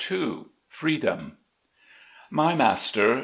FREEDOM. Y Master